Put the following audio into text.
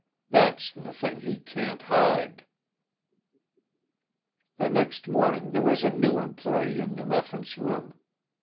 That's one thing he can't hide!" The next morning there was a new employee in the reference room.